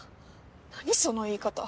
何その言い方。